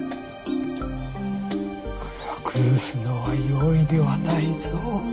こりゃ崩すのは容易ではないぞ。